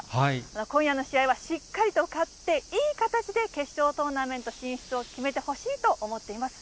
今夜の試合はしっかりと勝って、いい形で決勝トーナメント進出を決めてほしいと思っています。